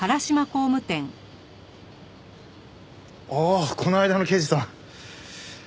ああこの間の刑事さん。